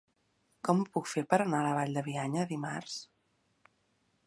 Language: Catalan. Com ho puc fer per anar a la Vall de Bianya dimarts?